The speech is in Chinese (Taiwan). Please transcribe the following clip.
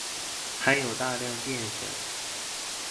含有大量澱粉